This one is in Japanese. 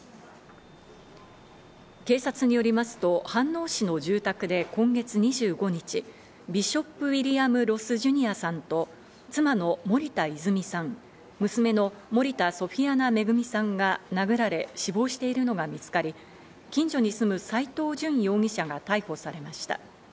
警察によりますと飯能市の住宅で今月２５日、ビショップ・ウィリアム・ロス・ジュニアさんと妻の森田泉さん、娘の森田ソフィアナ恵さんが殴られ死亡しているのが見つかり、近所に住む斎藤淳容疑者が逮捕されました。